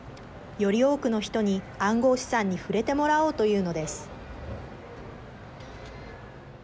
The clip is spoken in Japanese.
より多くの人に暗号資産に触れてもらおうというのです。